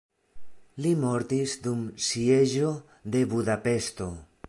Li mortis dum sieĝo de Budapeŝto.